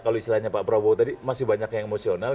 kalau istilahnya pak prabowo tadi masih banyak yang emosional